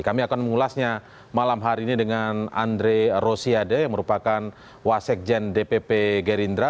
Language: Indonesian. kami akan mengulasnya malam hari ini dengan andre rosiade yang merupakan wasekjen dpp gerindra